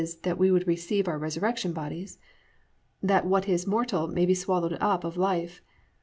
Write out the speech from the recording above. that we would receive our resurrection bodies) +that what is mortal may be swallowed up of life.